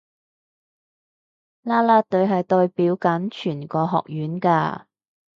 啦啦隊係代表緊全個學院㗎